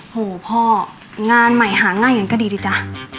โหพ่องานใหม่หาง่ายอาจจะดีนะจ๊ะ